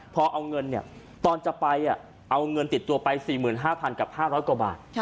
พอเอาเงินตอนจะไปเอาเงินติดตัวไป๔๕๐๐กับ๕๐๐กว่าบาท